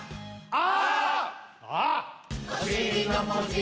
「あ」？